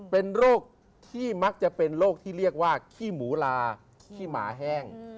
เป็นโรคที่มักจะเป็นโรคที่เรียกว่าขี้หมูลาขี้หมาแห้ง